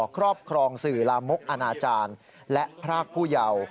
ครอบครองสื่อลามกอนาจารย์และพรากผู้เยาว์